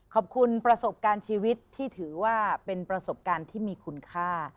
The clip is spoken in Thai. ขอบคุณประสบการณ์ชีวิตที่ถือว่าเป็นประสบการณ์ที่มีคุณค่า